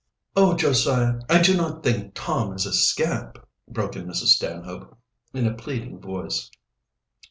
"Oh, Josiah! I do not think Tom is a scamp," broke in Mrs. Stanhope, in a pleading voice.